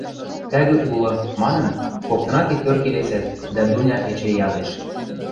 – Тӓгӱ улы, – манын, коктынат иктӧр келесӓт, дӓ Дуня эче ядеш.